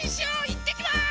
いってきます！